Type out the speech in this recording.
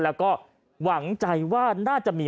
แล้วก็หวังใจว่าน่าจะมี